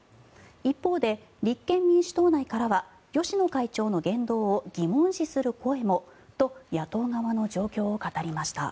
一方で立憲民主党内からは芳野会長の言動を疑問視する声もと野党側の状況を語りました。